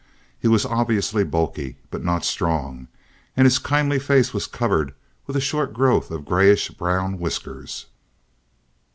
He was obviously bulky, but not strong, and his kindly face was covered with a short growth of grayish brown whiskers.